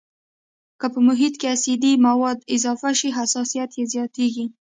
که په محیط کې اسیدي مواد اضافه شي حساسیت یې زیاتیږي.